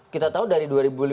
kita tahu dari dua ribu lima belas